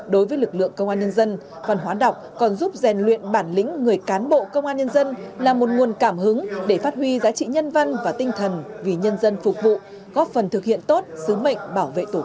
đối với lực lượng công an nhân dân văn hóa đọc còn giúp rèn luyện bản lĩnh người cán bộ công an nhân dân là một nguồn cảm hứng để phát huy giá trị nhân văn và tinh thần vì nhân dân phục vụ góp phần thực hiện tốt sứ mệnh bảo vệ tổ quốc